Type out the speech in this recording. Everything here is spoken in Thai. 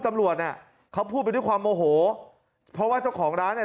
ตำรวจน่ะเขาพูดไปด้วยความโมโหเพราะว่าเจ้าของร้านเนี่ย